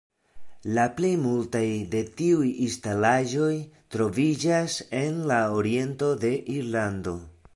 La plej multaj de tiuj instalaĵoj troviĝas en la oriento de Irlando.